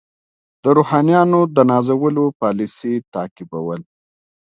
د روحانیونو د نازولو پالیسي تعقیبول.